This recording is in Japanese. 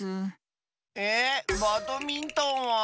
えっバドミントンは？